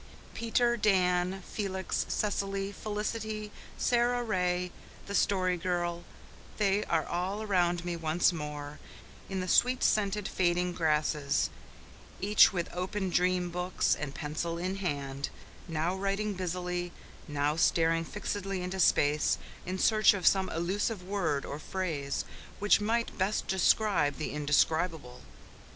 Peter Dan Felix Cecily Felicity Sara Ray the Story Girl they are all around me once more, in the sweet scented, fading grasses, each with open dream books and pencil in hand, now writing busily, now staring fixedly into space in search of some elusive word or phrase which might best describe the indescribable.